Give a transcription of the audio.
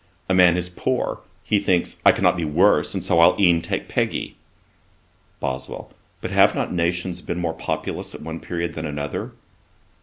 A man is poor; he thinks, "I cannot be worse, and so I'll e'en take Peggy."' BOSWELL. 'But have not nations been more populous at one period than another?'